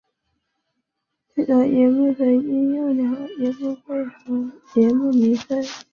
最早节目名称曾经是用前两个节目为了配合过年所做的过年特别节目的名称。